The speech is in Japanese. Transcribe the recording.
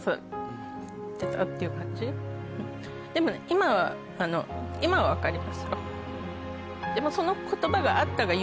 でもね今は今は分かりますよ。